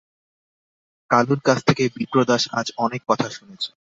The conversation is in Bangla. কালুর কাছ থেকে বিপ্রদাস আজ অনেক কথা শুনেছে।